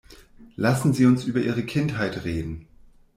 Lassen Sie uns über Ihre Kindheit reden.